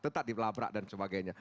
tetap dilabrak dan sebagainya